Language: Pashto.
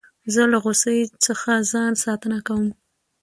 زه له غوسې څخه ځان ساتنه کوم.